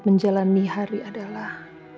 menjalani hari adalah